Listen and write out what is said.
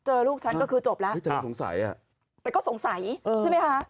เจอลูกฉันก็คือจบแล้วแต่ก็สงสัยใช่ไหมคะ